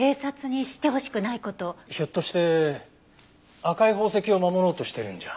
ひょっとして赤い宝石を守ろうとしてるんじゃ？